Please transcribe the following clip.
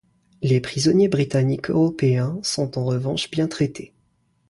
Les prisonniers britanniques européens sont en revanche bien traités.